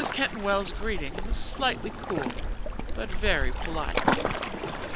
Keyton Wells's greeting was slightly cool, but very polite.